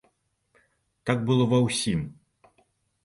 Так было ва ўсім.